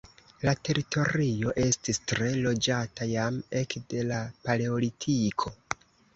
La teritorio estis tre loĝata jam ekde la Paleolitiko.